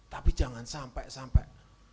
tapi jangan sampai sampai